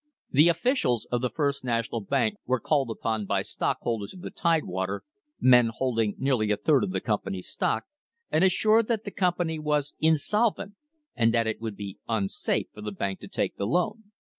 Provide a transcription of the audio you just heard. The officials of the First National Bank were called upon by stockholders of the Tidewater, men holding nearly a third of the company's stock, and assured that the company was insolvent, and that it would be unsafe for the bank to take the loan.